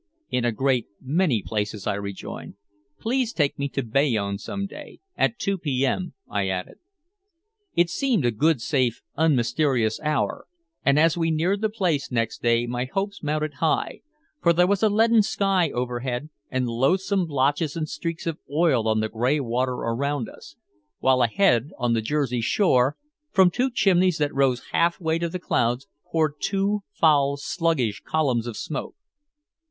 "In a great many places," I rejoined. "Please take me to Bayonne some day at two p. m.," I added. It seemed a good, safe, unmysterious hour, and as we neared the place next day my hopes mounted high, for there was a leaden sky overhead and loathsome blotches and streaks of oil on the gray water around us while ahead on the Jersey shore, from two chimneys that rose halfway to the clouds, poured two foul, sluggish columns of smoke.